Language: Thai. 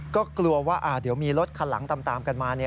ก็กลัวว่าเดี๋ยวมีรถคันหลังตามกันมา